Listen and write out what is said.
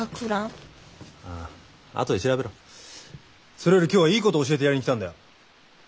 それより今日はいいことを教えてやりに来たんだよ。